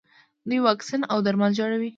دوی واکسین او درمل جوړوي.